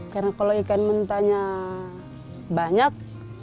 karena kalau ikan mentahnya banyak